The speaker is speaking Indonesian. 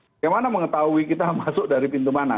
bagaimana mengetahui kita masuk dari pintu mana